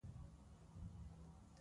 مجاهد د الله رضا غواړي.